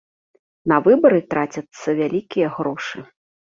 На выбары трацяцца вялікія грошы.